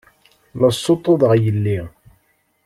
La ssuṭṭuḍeɣ yelli.